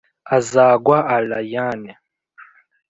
azagwa, allayne.